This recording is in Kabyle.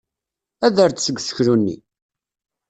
Ader-d seg useklu-nni!